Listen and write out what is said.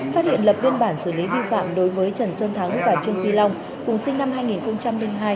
phát hiện lập biên bản xử lý vi phạm đối với trần xuân thắng và trương duy long cùng sinh năm hai nghìn hai